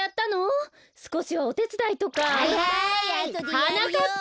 はなかっぱ！